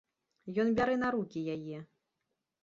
Ён бярэ на рукі яе.